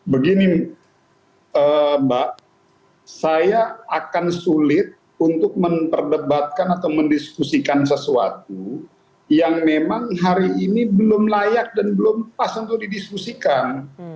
begini mbak saya akan sulit untuk memperdebatkan atau mendiskusikan sesuatu yang memang hari ini belum layak dan belum pas untuk didiskusikan